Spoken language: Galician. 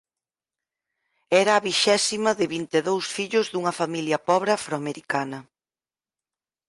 Era a vixésima de vinte e dous fillos dunha familia pobre afroamericana.